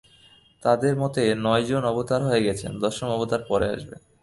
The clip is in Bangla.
তাঁদের মতে নয় জন অবতার হয়ে গেছেন, দশম অবতার পরে আসবেন।